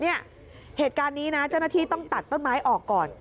เหตุการณ์นี้นะเจ้าหน้าที่ต้องตัดต้นไม้ออกก่อน